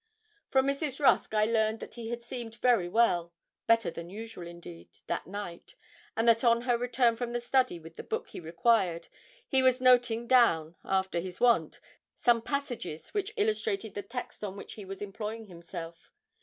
From Mrs. Rusk I learned that he had seemed very well better than usual, indeed that night, and that on her return from the study with the book he required, he was noting down, after his wont, some passages which illustrated the text on which he was employing himself.